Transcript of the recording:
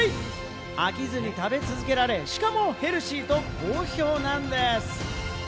飽きずに食べ続けられ、しかもヘルシーと好評なんです。